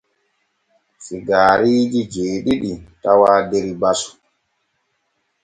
Sigaariiji jeeɗiɗi tawaa der basu.